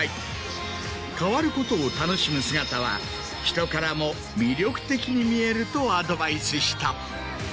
変わることを楽しむ姿はひとからも魅力的に見えるとアドバイスした。